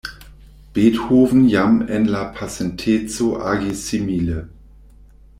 Beethoven jam en la pasinteco agis simile.